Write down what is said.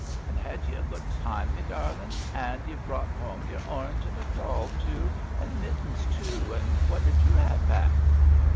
"And had ye a good time, me darling? And ye 've brought home your orange, and a doll too, and mittens too. And what did you have, Pat?"